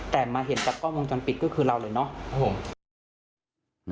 อ๋อแต่มาเห็นกับกล้องวงจรปิดก็คือเราเลยเนอะครับผม